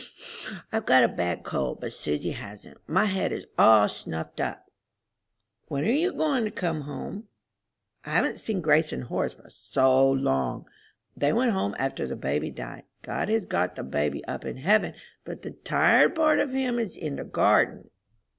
I've got a bad cold, but Susy hasn't. My head is all snuffed up. When are you goin' to come home? I haven't seen Grace and Horace for so long! They went home after the baby died. God has got the baby up in heaven, but the tired part of him is in the garden.